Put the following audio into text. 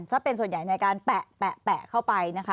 ถ้าเป็นส่วนใหญ่ในการแปะเข้าไปนะคะ